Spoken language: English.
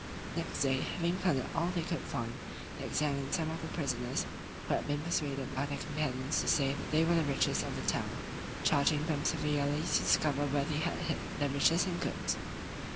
Next day, having plundered all they could find, they examined some of the prisoners (who had been persuaded by their companions to say they were the richest of the town), charging them severely to discover where they had hid their riches and goods.